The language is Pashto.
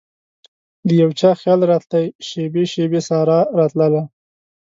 دیو چا خیال راتلي شیبې ،شیبې سارا راتلله